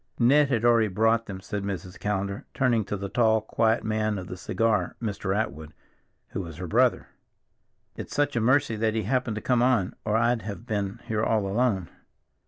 "Ned had already brought them," said Mrs. Callender, turning to the tall, quiet man of the cigar, Mr. Atwood, who was her brother. "It's such a mercy that he happened to come on, or I'd have been here all alone."